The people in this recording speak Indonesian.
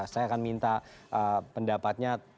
saya akan minta pendapatnya